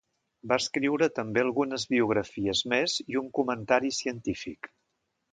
Va escriure també algunes biografies més i un comentari científic.